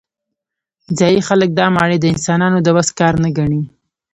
ځايي خلک دا ماڼۍ د انسانانو د وس کار نه ګڼي.